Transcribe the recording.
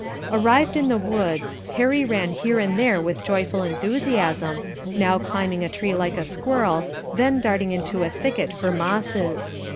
Arrived in the woods, Harry ran here and there with joyful enthusiasm, now climbing a tree like a squirrel, then darting into a thicket for mosses.